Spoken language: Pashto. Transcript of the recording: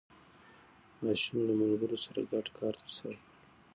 ماشوم له ملګرو سره ګډ کار ترسره کړ